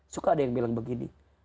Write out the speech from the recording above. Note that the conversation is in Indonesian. suka ada yang bilang begini